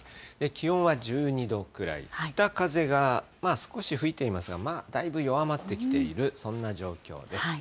気温は１２度くらい、北風が少し吹いていますが、まあだいぶ弱まってきている、そんな状況です。